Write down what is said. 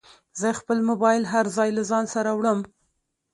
زه خپل موبایل هر ځای له ځانه سره وړم.